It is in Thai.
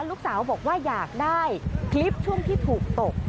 ลูกสาวบอกว่าอยากได้คลิปช่วงที่ถูกตก